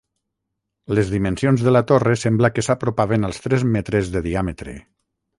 Les dimensions de la torre sembla que s'apropaven als tres metres de diàmetre.